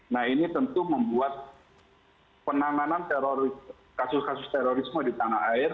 nah ini tentu membuat penanganan kasus kasus terorisme di tanah air